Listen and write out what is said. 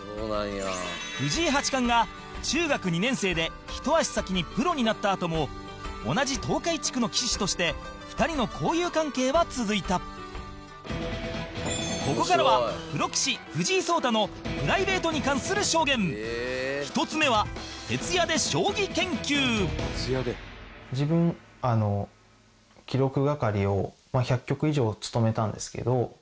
藤井八冠が中学２年生で一足先にプロになったあとも同じ東海地区の棋士として２人の交友関係は続いたここからはプロ棋士、藤井聡太のプライベートに関する証言１つ目は、徹夜で将棋研究自分、記録係を１００局以上務めたんですけど。